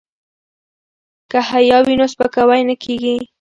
که حیا وي نو سپکاوی نه کیږي.